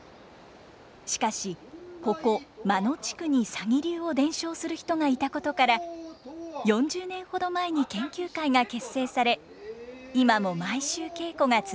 しかしここ真野地区に鷺流を伝承する人がいたことから４０年ほど前に研究会が結成され今も毎週稽古が続いています。